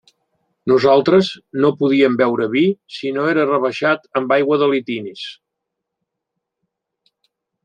Nosaltres no podíem beure vi si no era rebaixat amb aigua de litines.